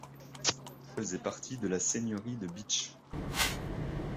Faisait partie de la seigneurie de Bitche.